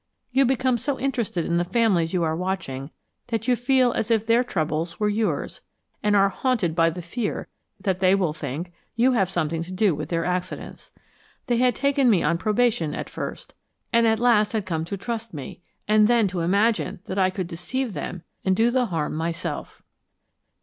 You become so much interested in the families you are watching that you feel as if their troubles were yours, and are haunted by the fear that they will think you have something to do with their accidents. They had taken me on probation at first, and at last had come to trust me and then to imagine that I could deceive them and do the harm myself!